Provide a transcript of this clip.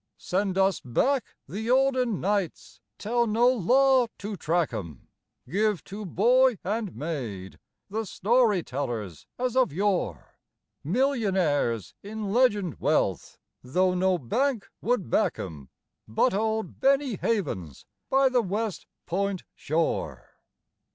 Send us back the olden knights, tell no law to track 'em, Give to boy and maid the storytellers as of yore, Millionaires in legend wealth, though no bank would back 'em, But old Benny Havens by the West Point Shore.